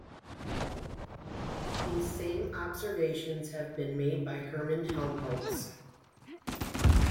These same observations have been made by Hermann Helmholtz.